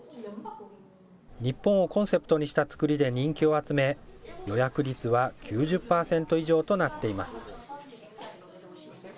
日本をコンセプトにした造りで人気を集め、予約率は９０％以上となっています。